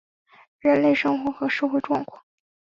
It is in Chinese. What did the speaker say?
人类生活和社会状况